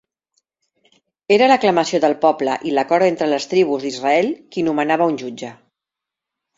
Era l'aclamació del poble i l'acord entre les tribus d'Israel qui nomenava un jutge.